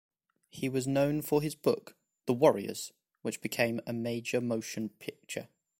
He was known for his book "The Warriors" which became a major motion picture.